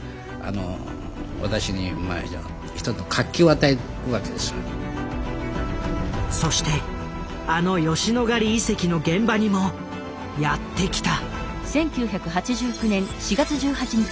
例えば空白な部分ねそしてあの吉野ヶ里遺跡の現場にもやって来た！